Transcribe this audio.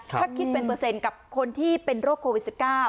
ถ้าคิดเป็นเปอร์เซ็นต์กับคนที่เป็นโรคโควิด๑๙